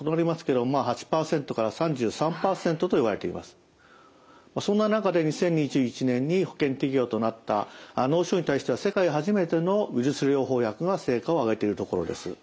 このグループはそんな中で２０２１年に保険適用となった脳腫瘍に対しては世界初めてのウイルス療法薬が成果をあげているところです。